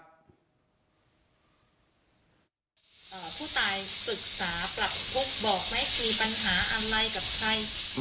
ผู้ตายศึกษาปรับคุกบอกมั้ยมีปัญหาอะไรกับใคร